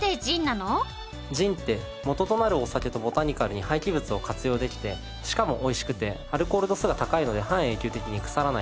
ジンって元となるお酒とボタニカルに廃棄物を活用できてしかもおいしくてアルコール度数が高いので半永久的に腐らない。